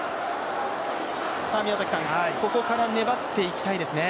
ここから粘っていきたいですね。